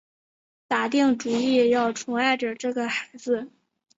打定主意要宠爱着这个孩子